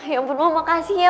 ya ampun mama kasih ya